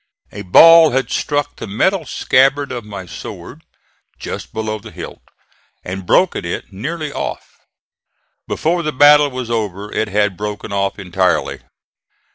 A ball had struck the metal scabbard of my sword, just below the hilt, and broken it nearly off; before the battle was over it had broken off entirely.